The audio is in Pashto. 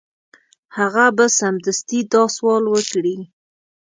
هغه به سمدستي دا سوال وکړي.